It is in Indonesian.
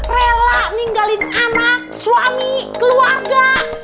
rela ninggalin anak suami keluarga